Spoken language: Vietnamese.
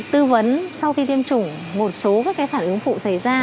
tư vấn sau khi tiêm chủng một số các phản ứng phụ xảy ra